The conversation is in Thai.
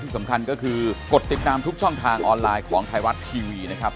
ติดตามทุกช่องทางออนไลน์ของไทยรัฐทีวีนะครับ